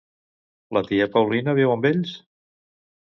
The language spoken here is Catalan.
La tia Paulina viu amb ells?